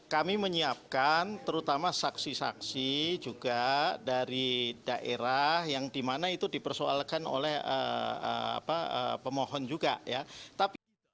kami menyiapkan terutama saksi saksi juga dari daerah yang dimana itu dipersoalkan oleh pemohon juga ya